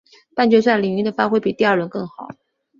半决赛李云迪的发挥比第二轮更好。